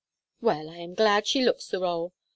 "Well, I am glad she looks the rôle.